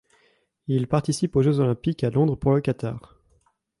Il participe aux Jeux olympiques à Londres pour le Qatar.